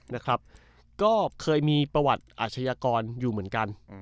นะครับก็เคยมีประวัติอาชญากรอยู่เหมือนกัน